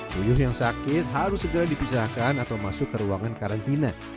puyuh yang sakit harus segera dipisahkan atau masuk ke ruangan karantina